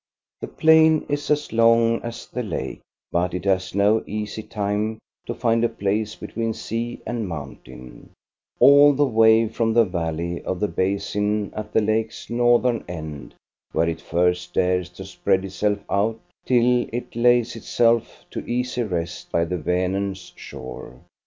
The plain is as long as the lake; but it has no easy time to find a place between sea and mountain, all the way from the valley of the basin at the lake's northern end, where it first dares to spread itself THE LANDSCAPE 3 1 out, till it lays itself to easy rest by the Vanern's shore.